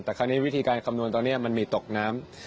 แต่วันนี้วิธีการคำนวณจะมีตกน้ำ